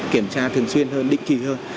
kiểm tra thường xuyên hơn định kỳ hơn